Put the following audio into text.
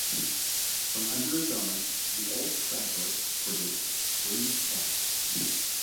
From under his arm the old trapper produced three sacks.